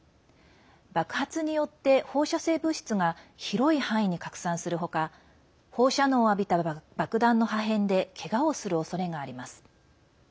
爆発によって放射性物質が広い範囲に拡散する他放射能を浴びた爆弾の破片でけがをするおそれがあります。